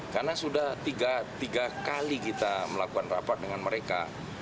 karena sudah tiga kali kita melakukan rapat dengan mereka